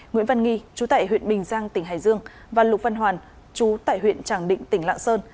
nguyễn văn nghi chú tại huyện bình giang tỉnh hải dương và lục văn hoàn chú tại huyện tràng định tỉnh lạng sơn